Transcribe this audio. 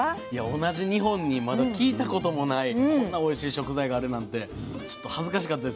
同じ日本にまだ聞いたこともないこんなおいしい食材があるなんてちょっと恥ずかしかったです。